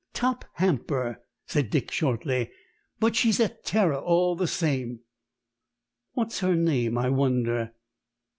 "Top hamper," said Dick shortly. "But she's a terror all the same." "What's her name, I wonder?"